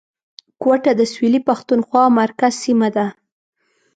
کوټه د سویلي پښتونخوا مرکز سیمه ده